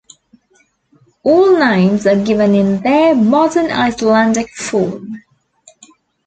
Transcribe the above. All names are given in their Modern Icelandic form.